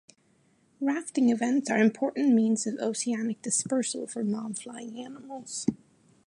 Rafting events are important means of oceanic dispersal for non-flying animals.